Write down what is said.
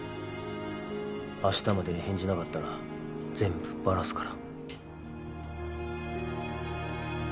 明日までに返事なかったら全部バラすから。